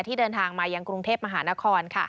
เดินทางมายังกรุงเทพมหานคร